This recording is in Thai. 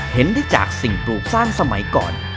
เห็นได้จากสิ่งปลูกสร้างสมัยก่อน